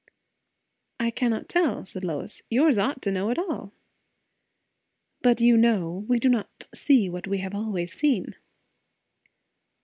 "I cannot tell," said Lois. "Yours ought to know it all." "But you know, we do not see what we have always seen."